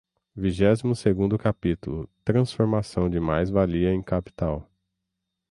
Vigésimo segundo capítulo. Transformação de mais-valia em capital